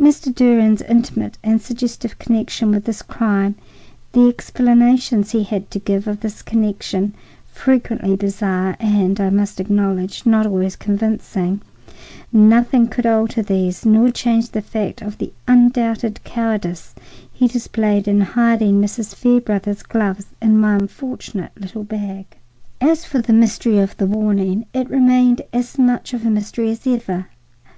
Mr. Durand's intimate and suggestive connection with this crime, the explanations he had to give of this connection, frequently bizarre and, I must acknowledge, not always convincing,—nothing could alter these nor change the fact of the undoubted cowardice he displayed in hiding Mrs. Fairbrother's gloves in my unfortunate little bag. As for the mystery of the warning, it remained as much of a mystery as ever.